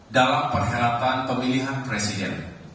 dalam perhelatan pemilihan presiden